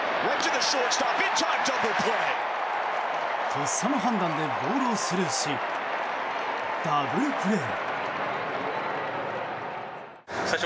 とっさの判断でボールをスルーしダブルプレー。